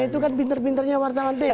nah itu kan pinter pinternya wartawan teng